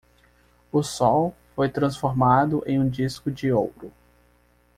O sol foi transformado em um disco de ouro.